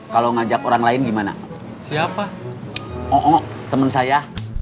kalau ngajak orang lain gimana siapa temen saya